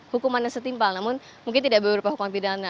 hukumannya setimpal namun mungkin tidak berupa hukuman pidana